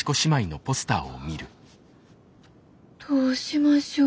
どうしましょう。